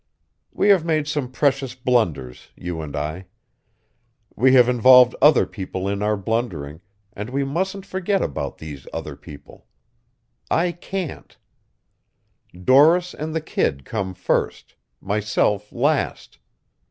We have made some precious blunders, you and I. We have involved other people in our blundering, and we mustn't forget about these other people. I can't. Doris and the kid come first myself last.